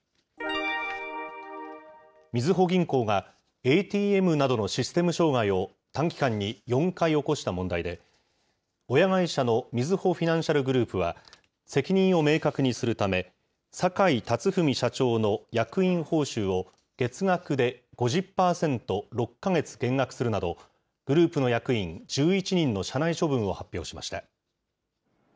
みずほ銀行が、ＡＴＭなどのシステム障害を短期間に４回起こした問題で、親会社のみずほフィナンシャルグループは、責任を明確にするため、坂井辰史社長の役員報酬を月額で５０％６か月減額するなど、グループの役員１１人の社内処分を発表しました。